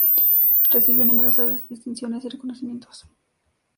Recibió numerosas distinciones y reconocimientos.